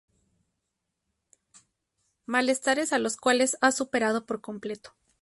Malestares a los cuales ha superado por completo.